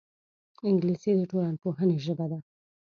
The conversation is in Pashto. انګلیسي د ټولنپوهنې ژبه ده